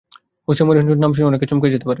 Jose মরিনহোর নাম শুনে অনেকে চমকে যেতে পারেন।